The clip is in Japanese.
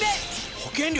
保険料